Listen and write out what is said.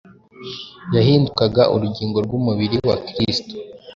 yahindukaga urugingo rw’umubiri wa Kristo